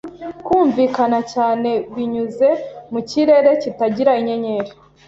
Kumvikana cyane binyuze mu kirere kitagira inyenyeri